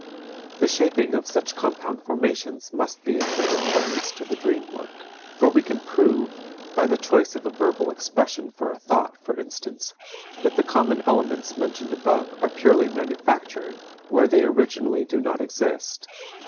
The shaping of such compound formations must be of great importance to the dream work, for we can prove, (by the choice of a verbal expression for a thought, for instance) that the common elements mentioned above are purposely manufactured where they originally do not exist.